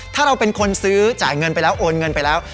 ถ้าเราเป็นคนซื้อจ่ายเงินไปแล้วโอนเงินไปแล้ว